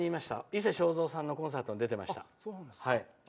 伊勢正三さんのコンサートに出ていました。